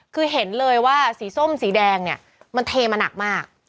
คือเห็นเลยว่าสีส้มสีแดงเนี่ยมันเทมาหนักมาก